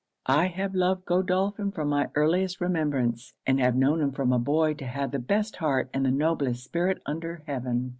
I have loved Godolphin from my earliest remembrance; and have known him from a boy to have the best heart and the noblest spirit under heaven.